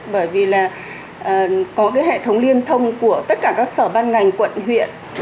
bởi vì là có cái hệ thống liên thông của tất cả các sở ban ngành quận huyện